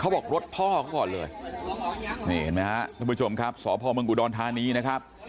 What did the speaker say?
บอกรถทอห์กก่อนเลยทุกประชุมครับสบมบุดนทานี้นะครับ